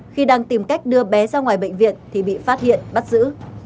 khi đang tìm cách đưa bé ra ngoài bệnh viện thì bị phát hiện bắt giữ